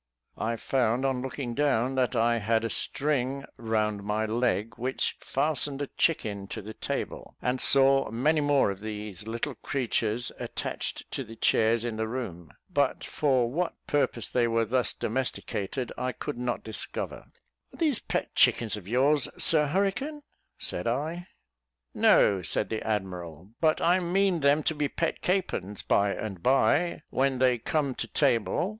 I found, on looking down, that I had a string round my leg, which fastened a chicken to the table, and saw many more of these little creatures attached to the chairs in the room; but for what purpose they were thus domesticated I could not discover. "Are these pet chickens of yours, Sir Hurricane?" said I. "No," said the admiral, "but I mean them to be pet capons, by and by, when they come to table.